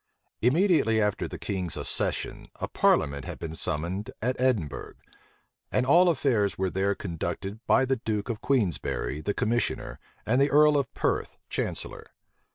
Immediately after the king's accession, a parliament had been summoned at Edinburgh; and all affairs were there conducted by the duke of Queensberry the commissioner, and the earl of Perth chancellor.